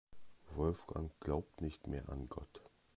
Wolfgang glaubt nicht mehr an Gott.